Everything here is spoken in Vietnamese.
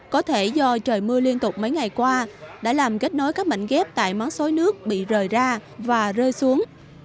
có thể do trời mưa liên tục mấy ngày qua đã làm kết nối các mảnh ghép tại món suối nước bị rời ra và rơi xuống